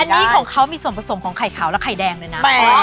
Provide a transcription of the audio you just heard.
อันนี้ของเขามีส่วนผสมของไข่ขาวและไข่แดงเลยนะ